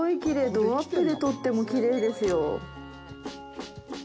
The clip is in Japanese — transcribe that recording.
ドアップで撮ってもきれいですよ。